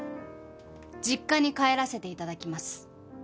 実家に帰らせて頂きます。